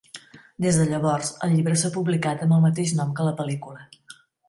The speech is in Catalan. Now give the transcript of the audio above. Des de llavors, el llibre s'ha publicat amb el mateix nom que la pel·lícula.